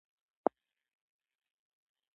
په خپلو مځکو کې د کیمیاوي سرو کارول باید کم شي.